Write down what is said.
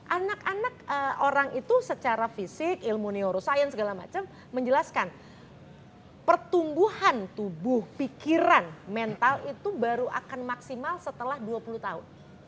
anak anak orang itu secara fisik ilmu neuroscience segala macam menjelaskan pertumbuhan tubuh pikiran mental itu baru akan maksimal setelah dua puluh tahun